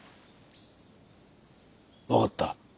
分かった。